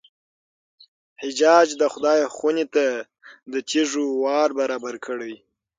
حجاج د خدای خونې ته د تېږو وار برابر کړی.